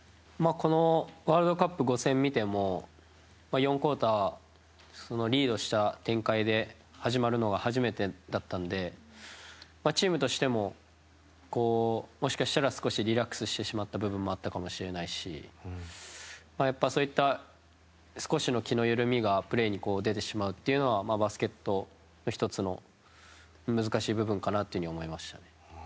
このワールドカップ５戦見ても４クオーター、リードした展開で始まるのが初めてだったのでチームとしても、もしかしたら少しリラックスしてしまった部分はあったかもしれないしやっぱ、そういった少しの気の緩みがプレーに出てしまうというのはバスケットの１つの難しい部分かなというふうに思います。